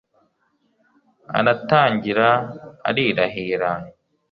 Aratangira arirahira